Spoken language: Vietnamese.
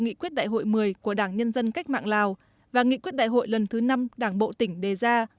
nghị quyết đại hội một mươi của đảng nhân dân cách mạng lào và nghị quyết đại hội lần thứ năm đảng bộ tỉnh đề ra